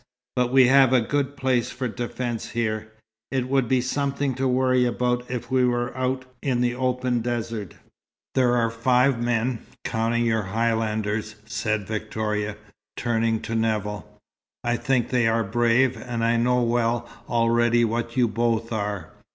But we have a good place for defence here. It would be something to worry about if we were out in the open desert." "There are five men, counting your Highlanders," said Victoria, turning to Nevill. "I think they are brave, and I know well already what you both are."